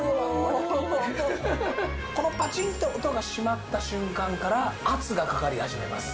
このパチンって音が閉まった瞬間から圧がかかり始めます。